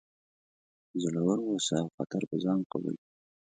زړور اوسه او خطر په ځان قبول کړه.